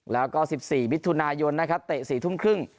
แล้วก็๑๔มิถุนายนนะครับเตะ๔ทุ่มครึ่ง